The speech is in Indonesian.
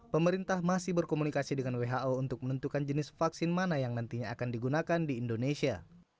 pemerintah masih berkomunikasi dengan who untuk menentukan jenis vaksin mana yang nantinya akan digunakan di indonesia